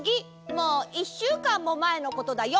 もういっしゅうかんもまえのことだよ！